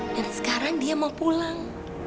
dan sekarang dia mau pulang